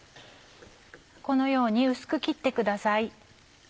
このように薄く切ってください。